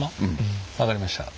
分かりました。